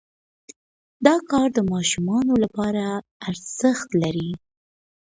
دا کار د ماشومانو لپاره ارزښت لري.